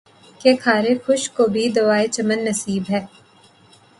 کہ خارِ خشک کو بھی دعویِ چمن نسبی ہے